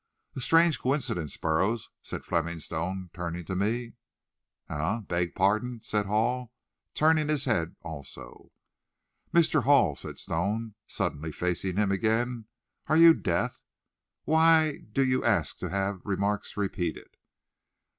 "A strange coincidence, Burroughs," said Fleming Stone, turning to me. "Eh? Beg pardon?" said Hall, turning his head also. "Mr. Hall," said Stone, suddenly facing him again, "are you deaf? Why do you ask to have remarks repeated?"